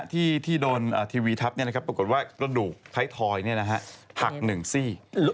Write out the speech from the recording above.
ที่โดนทีวีทัพปรากฏว่าต้นดูกไทยทอยหักหนึ่งซี